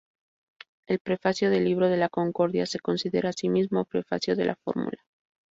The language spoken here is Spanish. El prefacio del Libro de la Concordia se considera asimismo prefacio de la fórmula.